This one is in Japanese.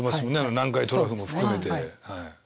南海トラフも含めて。